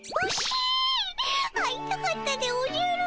会いたかったでおじゃる！